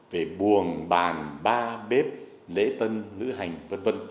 về buồng bàn ba bếp lễ tân lữ hành v v